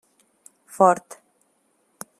Fort.